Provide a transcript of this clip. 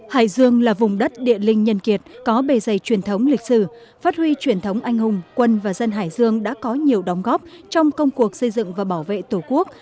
hải dương là vùng đất địa linh nhân kiệt có bề dày truyền thống lịch sử phát huy truyền thống anh hùng quân và dân hải dương đã có nhiều đóng góp trong công cuộc xây dựng và bảo vệ tổ quốc